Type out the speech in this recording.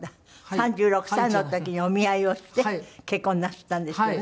３６歳の時にお見合いをして結婚なすったんですってね。